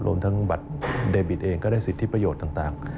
รวมทั้งบัตรเดบิตเองก็ได้สิทธิประโยชน์ต่าง